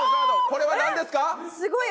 これは何ですか？